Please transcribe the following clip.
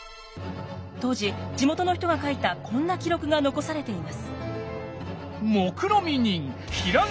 当時地元の人が書いたこんな記録が残されています。